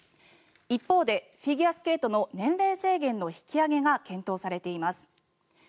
一方でフィギュアスケートの年齢制限の引き上げが検討されています。